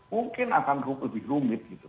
mungkin akan lebih rumit gitu